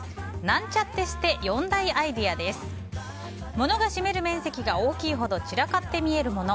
物が占める面積が大きいほど散らかって見えるもの。